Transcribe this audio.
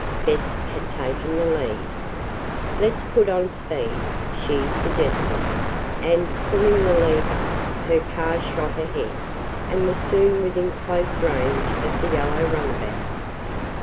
Bess had taken the lead. "Let's put on speed," she suggested, and, pulling the lever, her car shot ahead, and was soon within close range of the yellow runabout.